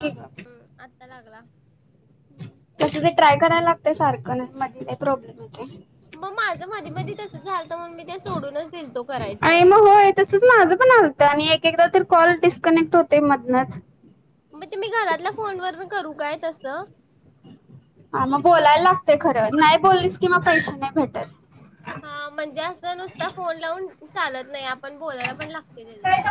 ठीक हम आहे. आत्ता लागला तसं ते ट्राय करायला लागतय सारखं ना मध्ये काही प्रॉब्लेम होते मग माझं मधी मधी तस झाल तर मग मी ते सोडूनच दिलतो करायच आणि मग होय तसंच माझं पण असतं आणि एक एकदा तर कॉल डिस्कनेक्ट होते मधन मग तेम्ही घरातल्या फोन वरन करू काय तस. हा मग बोलायला लागतय खरं नाही बोललीस कि मग पैसे नाही भेटत. हा म्हणजे असं नुसता फोन लावून चालत नाही आपण बोलायला पण लाग तय तेज्यावर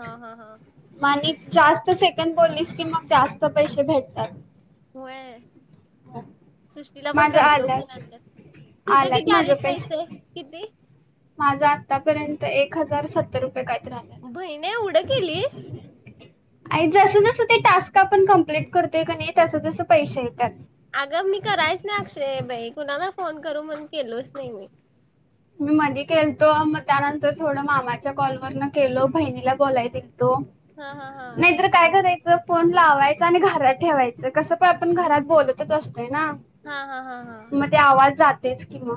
हा हा हा. म आणि जास्त सेकंद बोल्लीस की मग जास्त पैसे भेटत्यात. होय. सृष्टीला पण माझं करतो की आलात नंतर तुझं किती आलेत पैसे किती? माझ आतापर्यंत एक हजार सत्तर रुपये कायतरी. बहिणे येउढं केलीस. आणि जस जसं ते टास्क आपण कंप्लीट करतोय कनि तस तस पैसे येतात. अगं मी करायच नाही अक्षे बाई कुणाला फोन करू म्हणून केलोच नाही मी. मी मधी केलतो मग त्यानंतर थोडं मामाच्या कॉलवरन केलो बहिणीला बोलायदिल तो हा हा हा नाहीतर काय कराय च फोन लावायचा आणि घरात ठेवायचं कसं पण आपण घरात बोलतच असतो. ना हा हा हा हा. मग ते आवाज जातोयच कि म.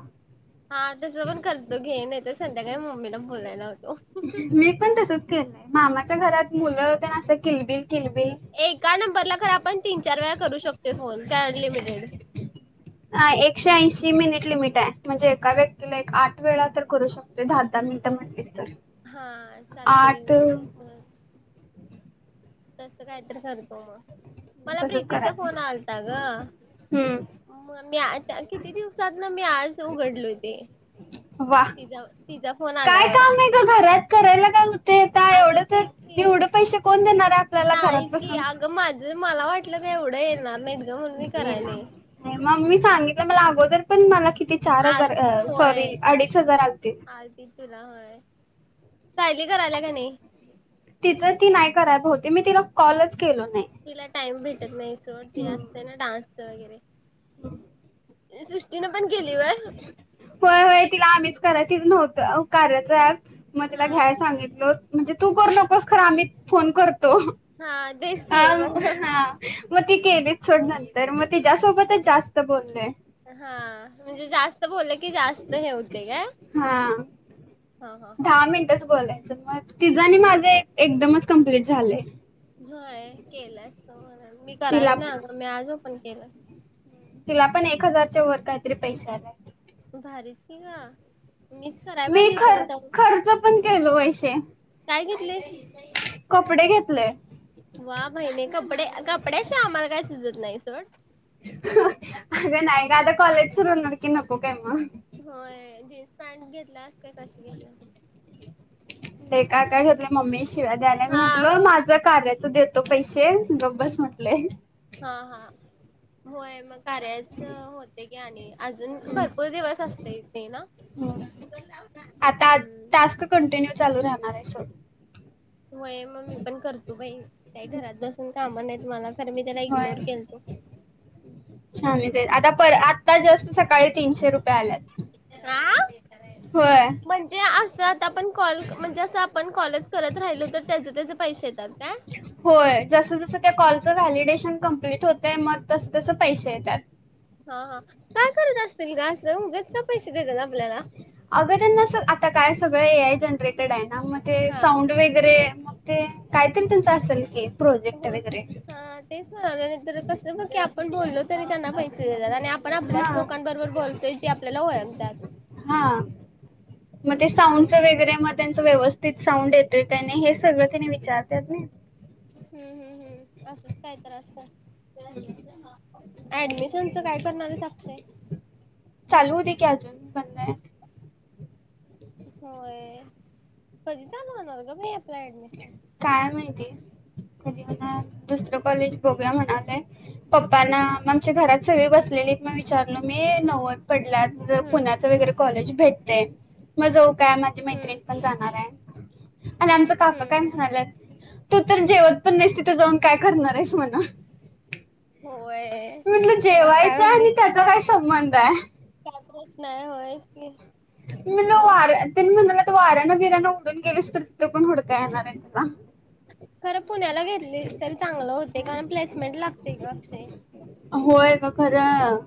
हा तस पण करतो घेन नाई तर संध्याकाळी मम्मीला बोलायला होतो. तसच केलं मामाच्या घरात मुलं तेन असत्यात किलबिल किलबिल एका नंबरला खर आपण तीन चार वेळा करू शकतो. हा एकशे ऐंशी. ती मिनिट लिमिट हाय म्हणजे एका व्यक्तीला एक आठ वेळा तर करू शकतोय दहा दहा मिनिट म्हणली हा चालते गे तस काहीतर करतो मग. मला तसंच प्रीतीचा करायला फोन पाहिजे आलता ग हम्म म मी आता किती दिवस सातन मी आज उघडलोय ते वा तिजा तिजा फोन काय आल्यावर. काम आहे ग घरात करायला काय होतंय ता अगं एवढेच तेच हायत की. एवढं पैसे कोण देणार ता आपल्याला घरात नाहीच की बसून. अगं माझं मला वाटलं का एवढं येणार नाहीत गं म्हणून मी करायले. मी सांगितलं मला अगोद तरी पण मला किती चार हजार आलतीत अ सॉरी होय अडीच हार आलते. आलतीत तुला होय. सायली करायल्या का नाही? तिच ती नाही करात होती मी तिला कॉलच केलो नाही तिला टाईम भेटत नाही सोड ते हम्म. असते ना डान्सच वगैरे. सृष्टीन पण केली व्हय. होय होय तिला आम्हीच कराय तिज नव्हतं कार्याच अँप मग हा तिला घ्याय सांगितलोत. म्हणजे तू करु नकोस खर आम्ही फोन करतो. हा तेच की आं मग हा मग ती केलीत सोड नंतर मग तिच्यासोबतच जास्त बो बोल्लोय. हा म्हणजे जास्त बोललं की जास्त हे होतय काय. हा हा हा हा. दहा मिनटच बोलायचं म तिझं आणि माझे एकदमच कमप्लीट झालेय. होय केलं असतं म्हणून मी करायच तिला ना अगं मी आजो पण केलं. तिला पण एक हजारच्या वर काहीतरी पैशे आल्यात. भारीच कि ग. मी ख खर्च पण केलो पैसे. काय घेतलीस? कपडे घेतले वा बहिणे कपडे कपड्या शिवाय आम्हाला काय सुजत नाही सोड. अग नाही ग आता कॉलेज सुरु होणार की नको काय मग. होय जीन्स पॅन्ट घेतल्यास काय कशी घेतल्यास? ते काय काय घेतलं मम्मी शिव्या द्यायल्या मी हा म्हंटल माझं कार्य च देतो पैसे गब्बस म्हटलय. हा हा. होय मग कार्याच होतय की आणि अजून हम्म. भरपूर दिवस असतय ते ना? आता हम्म. टास्क कंटिन्यू चालू राहणार आहे सोड. होय मग मी पण करतो बाई काही घरात बसून काम नाही मला खरं मी त्याला होय इग्नोर केलतो. [inaudible] छान आता पर आता जस्ट सकाळी तीनशे रुपये आल्यात. ह होय म्हणजे अस आपण कॉल म्हणजे असं आपण कॉलच करत राहिलो तर त्याचे त्याचे पैसे येतात का? जस जस त्या कॉलचं व्हॅलिडेशन कंप्लीट होते मग तस तस पैसे येतात. हा हा काय करत असतील ग अस? उगच का पैसे देतात आपल्याला. अगं त्यांना आता काय सगळं ए आय जनरेटेड आहे ना मग ते हा साऊंड वगैरे ते काहीतरी त्यांचं असेल की हो प्रोजेक्ट वगैरे. हा तेच म्हणाले नंतर कस मग की आपण बोललो तरी त्यांना पैसे दि आपण आपल्याच हां. लोकांबरोबर बोलतोय जे आपल्याला ओळखतात. हां. मग ते तेच साऊंडच की वगरे मग त्यांच व्यवस्थ साउंड येतोय काही नाही हे सगळं त्यांने विचारतात ना हम्म हम्म हम्म अस कायतर असतं ऍडमिशनच काय करणार आहे साक्षे चालू होते की अजून पण? होय कधी चालवणारग भ. काय म्हणती कधी मणा दुसर कॉलेज बघ. म्हणाय पप्पाना आमच्या घरात सगळे बसलेले मग विचारल मी नव्वद पडल्या हम्म पुण्याच वगैरे कॉलेज भेटते मग जाऊ काय माझी हम्म मैत्रिणी पण जाणार आहे आ. काय हम्म म्हणाल्यात तू तर जेवत पण नाहीस तिथे जाऊन काय करणार आहेस णा होय. म्हटल मग काय जेवायच म्हणलीस? आणि त्याच काय संबंध आहे. काय प्रश्न आहे होयस की मणला मग आर तिन महिन. वाऱ्यान विरां उडून गेलीस तर तिथकून उडता येणार आहे तला. खरं पुण्याला घेतली तरी चांगलं होते कारण प्लेसमेंट लागते का अक्षय. अ खरं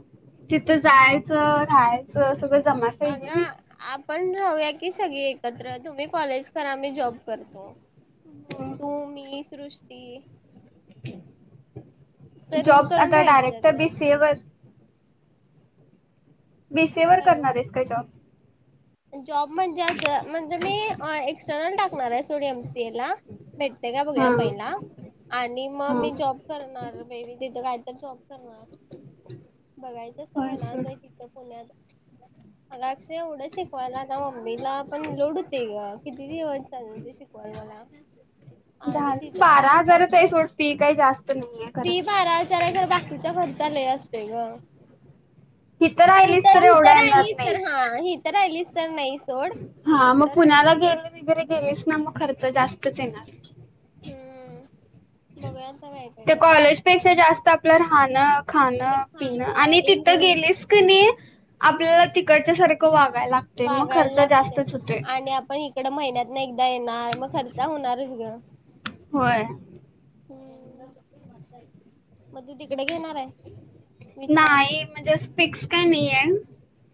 तिथं जायचं राहायचं सगळं जमा पाहिजे अगं आपण राहूया की सगळी एकत्र तुम्ही कॉलेज करा म जॉब करतो. हम्म तू मी सृष्टी रूम जॉब करून आता राहायचं डायरेक्ट ग बीसीए वर विसे वर हॅलो करणार आहेस काय जॉब जॉब म्हणजे असं म्हणजे मी एक्सटर्नल टाकणार आहे सोडियम सी ला भेटते का बघूया हा पहिला आणि मग हा मी जॉब करणार पहि म तिथं काय तर जॉब. बघायचं अस होय सोड मनाैतण्यातक्षय. शिकवायला आ मम्मीला पण लोड होते ग किती ज चालल ते शिकवायल मला आणि झा तिचं तर बारा आता हजारच आहे सोडपी काही. जास्त नाहीये खरं. फी बारा हजार आहे घर बाकीचा खर्चाल असते ग इीथं हित राहिलीस तर हित एवढा येणार राहिलीस तर नाही. हा हित राहिलीस तर नाही सोड. हा मग तिकडं राहिलीस पुण्याला तर गेले वगैरे गेलेस ना मग खर्च जास्तच येणार हम्म बघूया आता काय काय ते करायचं. कॉलेजपेक्षा जास्त आपलं राहणं खाणं पिणं आणि तिथं गेलेस क नाही आपल्याला तिकडच्या सारखं वाग. वागायला लागते आणि आपण इकडं महिन्यात ना एकदा येणार मग खर्च होणारच ग होय. हम्! मग तू तिकडे घेणार आहे? विचार नाही म्हणजे फिक्स का नाही आहे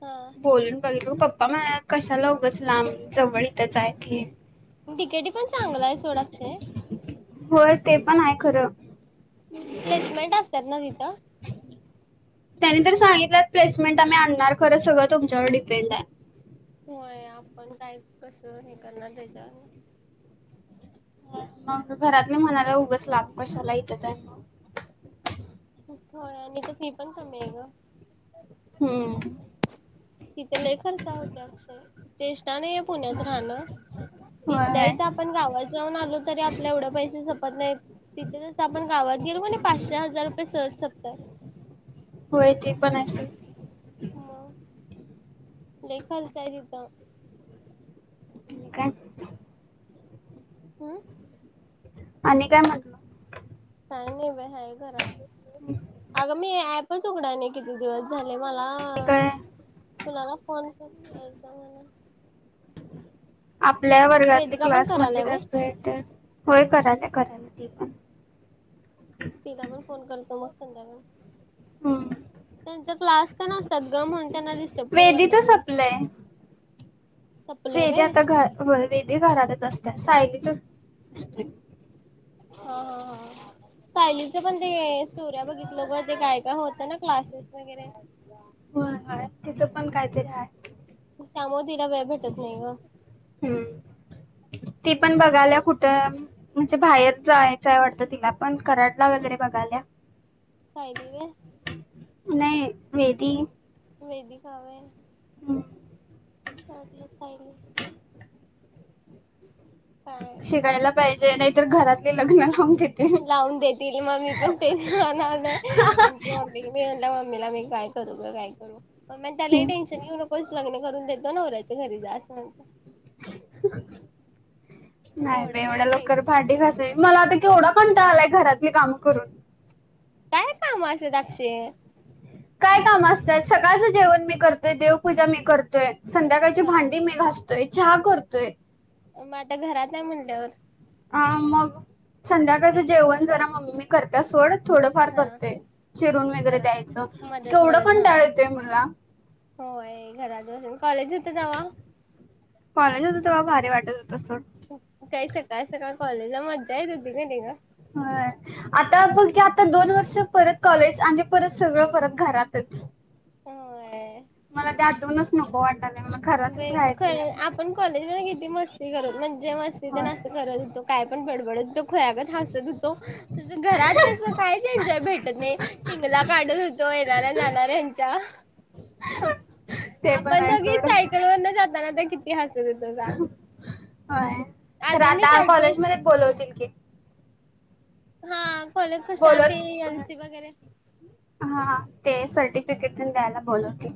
हा बोलून बघितलं पप्पा म्हणाल्यात कशाला उगाच जवळ इथच आहे की. तिकेटी पण चांगलं आहे सोड अक्षे. होय ते पण आहे खरं. प्लेसमेंट असतात ना तिथं? त्यानी तर सांगितलं प्लेसमेंट आम्ही आणणार खरं सगळं तुमच्यावर डिपेंड आहे. होय आपण काय कसं हे करणार त्याच्यावर. मग घरातले म्हणालेत उगंच लांब कशाला इथच आहे मग. हो आणि तर फी पण कमी आहे ग. हम्म तिथ लय खर्च होतोय अक्षे चे ष्टा नाही पुण्यात राहणं. इथल्या होय इथ आपण गावात जाऊन आलो तरी आपल्या एवढे पैसे संपत नाही. तिथे जस आपण गावात गेलो की नाय पाचशे हजार रुपये सहज संपत्यात. होय ते पण सोड. मग लय खर्च आहे तिथं. काय? हम. आणि काय म्हटलं? का नाही बाई हाय घरात बसलोय. अग मी ऍपच उघडा नाही किती दिवस झाले मला ते काय तुनाला फोन करून [unintelligible] आपल्या वर्गातली वेदिका पण क्लासमधली करायल्या तर व्हय भेटते होय कराले कराले. ती पण तिला पण फोन करतो मग संध्याकाळी. हम्म. त्यांचा क्लास तेन असतात गं म्हूणून त्यांना डिस्टर्ब करू वेदीच वाटत नाही. सपलंय सपलय वेदी व्हय आता घर वेदी घरातच असत्या सायलीच असते. हां हां हां. सायलीच पण ते स्टोर्या बघितलं ग ते काय काय होतं ना क्लासेस वगैरे. हो हाय तिचं पण काहीतरी आहे. त्यामूळ तिला वेळ भेटत नाही गं. हम्म ती पण बघायल्या कुठं म्हणजे बाहेर जायचंय वाटतं तिला पण कराडला वगैरे बघाल्या. सायली होय? नाही वेदी. वेदिका व्हय. हम्म. मला वाटलं सायली. [inaudible] शिकायला पाहिजे नाहीतर घरातले लग्न लावून देत लावून देतील म मी पण तेच म्हणायलोय आमची मम्मी कणी म्हणलं मम्मीला मी काय करू गं काय करू मम्मी म्हणत्या लय टेन्शन घेऊ नकोस लग्न करून देतो नवऱ्याच्या घरी जा असं म्हणत्या. [inaudible] नाही एवढं बाई एवढ्या काय लवकर टेन्शन भांडी घेऊ घासय. नकोस. मला आता केवढा पणता आलाय घरातली काम करून. काय काम असतात आक्षे? काय काम असतय सकाळचं जेवण मी करतोय, देवपूजा मी करतोय, संध्याकाळची हा भांडी मी घासतोय, चहा करतोय. मग आता घरात आहे म्हणल्यावर. अ मग काय संध्याकाळचं जेवण जरा मम्मी करत्या सोड. थोडंफार हा करतंय चिरून वगैरे जरा द्यायचं मदत केवढं मदत हा कंटाळा येतोय मला-‍- होय घरात बसून कॉलेज होत तेव्हा तवा भारी वाटत होतं. सोड त्यावेळी सकाळ सकाळ कॉलेजला मजा इथं होती कणी गं? ह् आता बघं की आता दोन वर्ष परत कॉलेज आणि परत सगळं परत घरातच [unintelligible] होय मला ते आठवूनच नको वाट होय खरं आपण कॉलेजमध्ये किती मस्ती करत मज्जा मस्ती तेण होय असं करत होतो काय पण बडब, गडद खुळ्या गत हसत होतो. तसं घरात तस काहीच एन्जॉय भेटत नाही डिगला काढत होतो येणाऱ्या जाणाऱ्या यांच्या [unintelligible] ते पण आहे सोडं पुन्हा जाताना तर किती मस्त होतो, सांग होय खरं अजून मी आता सायकल कॉलेज मध्ये बोलवतील की हा कॉलेज कशात ते बोलत एल सी वगैरे हा ते सरटि फिकेट तेच द्यायला बोलवतील?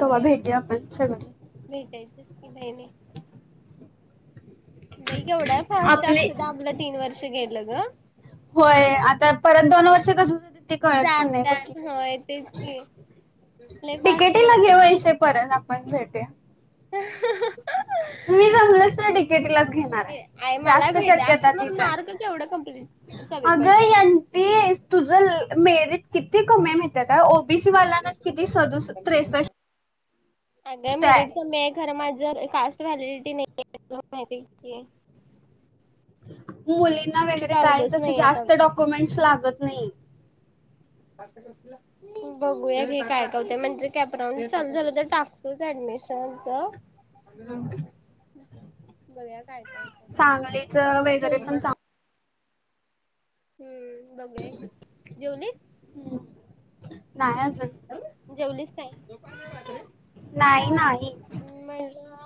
तेव्हा भेटूया आपण सगळे भेटायचीच की बहिणे बाई केवढ्या फास्ट अक्षदा आपलं तीन वर्ष गेलं गं होय आता परत दोन वर्ष तसचं जातात हो तेच कि तिकीटला घे वैशे पर्यंत आपण भेटूया मी [unintelligible] जमलंच तर डिकेटीलाच ठीक घेणार आहे एई मला जास्त भेटाय शक्यता अक्षदा तीच आहे मार्क केवढं कंप्लीट अगं एनटी तूझं मेरीट किती कमी आहं माहिती आहे काय ओबीसी वाल्याना किती सदूसष त्रेसष्ट अगं मेरीट आहे कमी आहं खरं माझं काॅसट व्हॅलिडिटी नाही आहे तूला माहिती आहे की नाही. मुलींना वगैरे कायचं असं नाहीयेत जास्त डॉक्युमेंट् लागत नाही. बघूया घे काय काय होतंय कॅपरान चालू झालं तर टाकतोच आडमि [inaudible] बघूया काय काय होतंय च वगैरे जेवली पण सांग हम्म बघूया घे जेवलीस? चांग नाही अजून जेवलीस काय? नाही नाही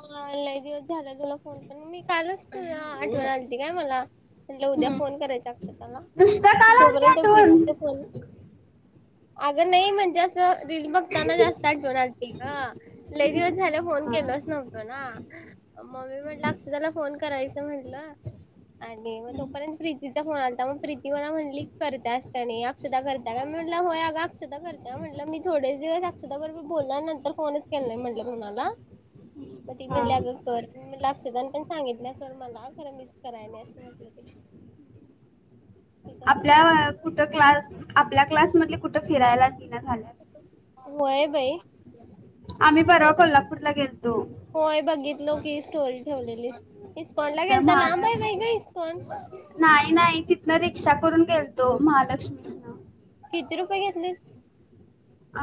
ह् लई दिवस झाला तुला फोन करून मी कालच तुला आठवण आलती काय मला म्हटलं उद्या हम्म. फोन करायचा अक्षताला नुसतं काल आलती तोपर्यंत आठवण प्रीतीच फोन अगं नाही म्हणजे असं रील बघताना जास्त आठवण आलती गं लई दिवस झालं फोन हा. केलोच नव्हतो ना म मी म्हटलं अक्षदाला फोन करायचं म्हंटलं आणि मग तोपर्यंत प्रीतीचा फोन आलता मग प्रीती मला म्हणं लीक करतीस काय नाही अक्षदा करतीया काय मी म्हटलं होय अगं अक्षदा करतीया म्हटलं मी थोडेच दिवस आक्षता बरोबर बोललो आणि नंतर फोनच केला नाही म्हटलं कोणाला मग ती हा. म्हटली अगं कर मी म्हणलं आ अक्षदान पण सांगितल्य सोड मला खरं मीच कराय नाही असं म्हटलं ते तिचा फोन आलता आपल्या कुठं क्लास आपल्या क्लास मधले कुठं फिरायलाच येईना झाल्यात. होय बाई आम्ही परवा गेल्यात कोल्हापूरला गेलतो होय बघितलं की स्टोरी ठेवलेली. तिथ महालक्ष्मी इस्कॉन नाही नाही तिथंन रिक्षा करून गेल तो महालक्ष्मी ना किती रुपये घेतली.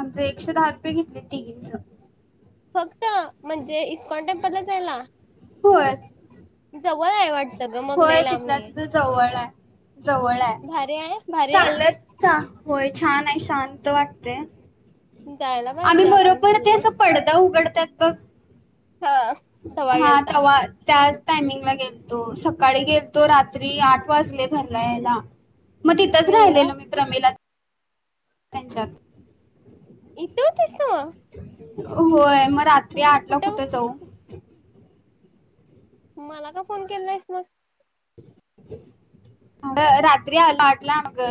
आमच एकशे दहा रुपये घेतले तिघींचं. फक्त म्हणजे इस्कॉन टेम्पलच जायला? होय. जवळय वाटतं ग मग होय लई लांब तिथल्या नाही. तिथं जवळ आहे जवळ आहे भारी आहे चालेत होय छान आहे शांत वाटते. जायला आम्ही पाहिजे आपण बरोबर पण ते गं अस पडदा उघडतात बघ हा तवा हा गेलता तवा त्या टायमिंग ला गेलतो सकाळी गेलतो रात्री आठ वाजले घरला यायला मग तिथंच एवढा राहिलेल मी प्रमिला त्यांच्यात इथ होतिस तू होय मग रात्री आठ ला कुठ जाऊ मला का फोन केला आहेस मग मग रात्री आलो आठला मग